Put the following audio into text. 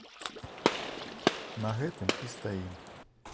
На гэтым і стаім.